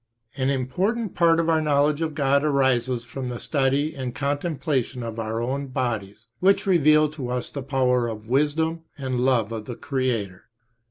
An important part of our knowledge of God arises from the study and contemplation of our own bodies, which reveal to us the power, wisdom, and love of the Creator.